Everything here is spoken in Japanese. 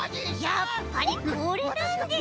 やっぱりこれなんですよ！